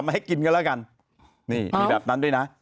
มาให้กินกันแล้วกัน